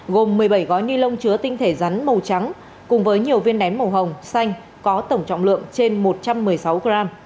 gồm một mươi bảy gói ni lông chứa tinh thể rắn màu trắng cùng với nhiều viên nén màu hồng xanh có tổng trọng lượng trên một trăm một mươi sáu gram